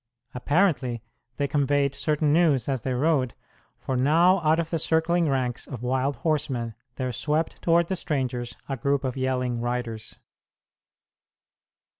Apparently they conveyed certain news as they rode; for now out of the circling ranks of wild horsemen there swept toward the strangers a group of yelling riders.